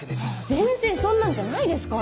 全然そんなんじゃないですから！